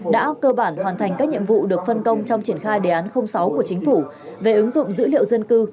đã cơ bản hoàn thành các nhiệm vụ được phân công trong triển khai đề án sáu của chính phủ về ứng dụng dữ liệu dân cư